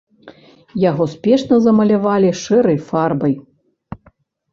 Яго спешна замалявалі шэрай фарбай.